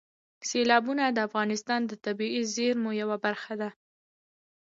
سیلابونه د افغانستان د طبیعي زیرمو یوه برخه ده.